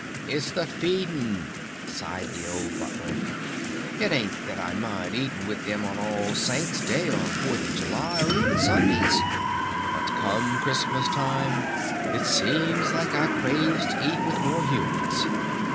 "It's the feedin'," sighed the old Butler. "It ain't that I mind eatin' with them on All Saints' Day or Fourth of July or even Sundays. But come Christmas Time it seems like I craves to eat with More Humans....